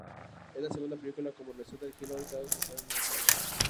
Es la segunda película como realizador de Gilroy, tras su ópera prima "Michael Clayton".